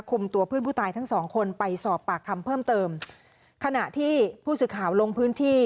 ตัวเพื่อนผู้ตายทั้งสองคนไปสอบปากคำเพิ่มเติมขณะที่ผู้สื่อข่าวลงพื้นที่